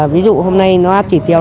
ví dụ hôm nay nó áp chỉ tiêu